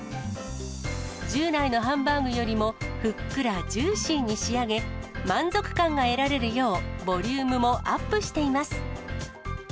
従来のハンバーグよりも、ふっくらジューシーに仕上げ、満足感が得られるよう、ボリュームもアップしています。